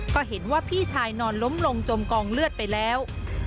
ก็เห็นว่าพี่ชายนอนล้มลงจมกองเลือดไปแล้ว